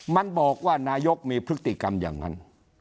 มันบอกว่านายกมีพฤติกรรมอย่างนั้น